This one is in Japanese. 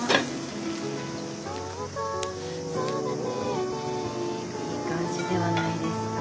おいい感じではないですか。